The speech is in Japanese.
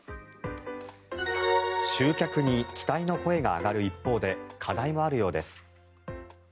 集客に期待の声が上がる一方で課題もあるようです。